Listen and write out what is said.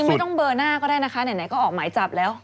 ไม่ต้องเบอร์หน้าก็ได้นะคะไหนก็ออกหมายจับแล้ว